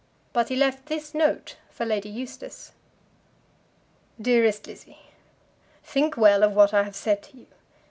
But he left this note for Lady Eustace: DEAREST LIZZIE, Think well of what I have said to you.